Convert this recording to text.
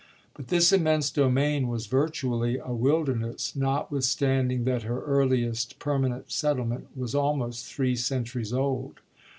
But this immense domain was virtually a wilderness, notwithstanding that her earliest permanent settle ment was almost three centuries old.